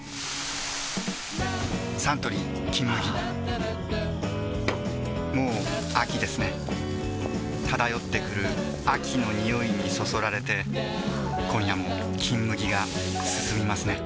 サントリー「金麦」もう秋ですね漂ってくる秋の匂いにそそられて今夜も「金麦」がすすみますね